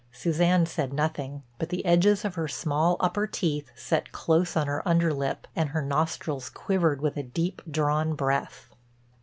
Suzanne said nothing, but the edges of her small upper teeth set close on her under lip, and her nostrils quivered with a deep drawn breath.